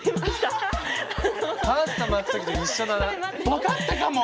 分かったかも！